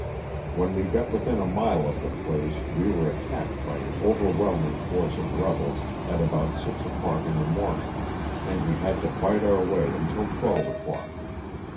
When we got within a mile of the place we were attacked by an overwhelming force of rebels at about six o'clock in the morning and we had to fight our way until twelve o'clock.